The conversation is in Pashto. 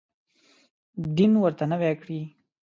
دین ورته نوی کړي.